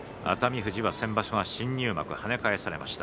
富士は先場所は新入幕跳ね返されました。